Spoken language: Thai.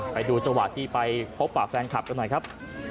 ไปดูจังหวะที่ไปพบปากแฟนคลับกันหน่อยครับ